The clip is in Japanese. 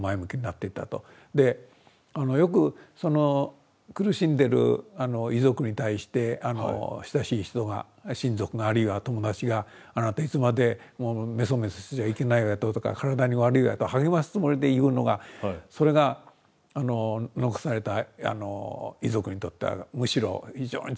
でよく苦しんでる遺族に対して親しい人が親族があるいは友達があなたいつまでもメソメソしてちゃいけないわよとか体に悪いわよと励ますつもりで言うのがそれが残された遺族にとってはむしろ非常につらい言葉になると。